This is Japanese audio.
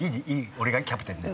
俺がキャプテンで。